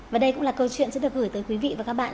và đây cũng là câu chuyện sẽ được gửi tới quý vị và các bạn